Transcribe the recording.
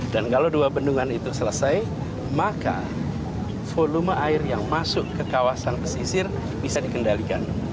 dan kalau dua bendungan itu selesai maka volume air yang masuk ke kawasan pesisir bisa dikendalikan